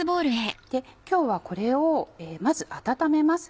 今日はこれをまず温めます。